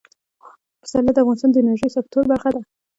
پسرلی د افغانستان د انرژۍ سکتور برخه ده.